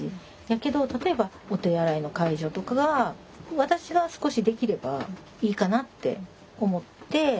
やけど例えばお手洗いの介助とかが私が少しできればいいかなって思って。